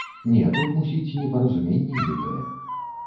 Не, тут, мусіць, непаразуменне нейкае.